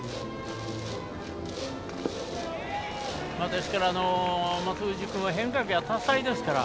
ですから、松藤君は変化球が多彩ですから。